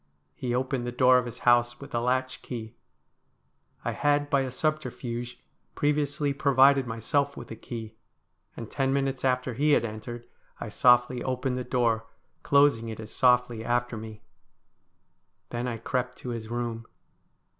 He opened the door of his house with a latch key. I had by a subterfuge previously provided myself with a key, and ten minutes after he had entered I softly opened the door, closing it as softly after me. Then I crept to his room.